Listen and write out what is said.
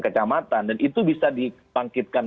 kecamatan dan itu bisa dibangkitkan